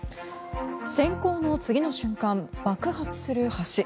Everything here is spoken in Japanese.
閃光の次の瞬間爆発する橋。